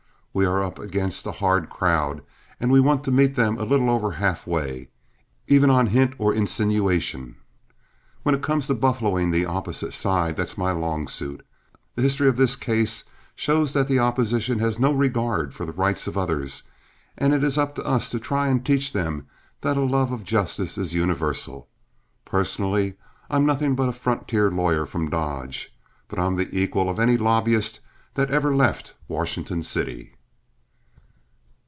We are up against a hard crowd, and we want to meet them a little over halfway, even on a hint or insinuation. When it comes to buffaloing the opposite side, that's my long suit. The history of this case shows that the opposition has no regard for the rights of others, and it is up to us to try and teach them that a love of justice is universal. Personally, I'm nothing but a frontier lawyer from Dodge, but I'm the equal of any lobbyist that ever left Washington City."